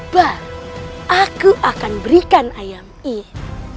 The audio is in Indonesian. baru aku akan berikan ayam ini